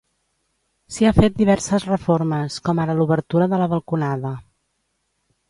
S'hi ha fet diverses reformes, com ara l'obertura de la balconada.